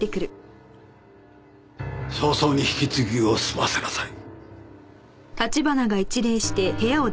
早々に引き継ぎを済ませなさい。